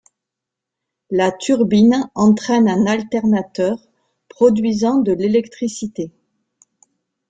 La turbine entraîne un alternateur, produisant de l'électricité.